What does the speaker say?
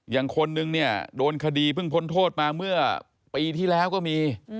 คนนึงเนี่ยโดนคดีเพิ่งพ้นโทษมาเมื่อปีที่แล้วก็มี